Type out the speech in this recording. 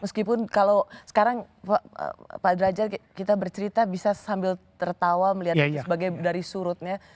meskipun kalau sekarang pak derajat kita bercerita bisa sambil tertawa melihat dari surutnya